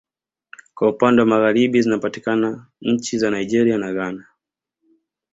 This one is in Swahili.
Kwa upande wa Magharibi zinapatikana nchi za Nigeria na Ghana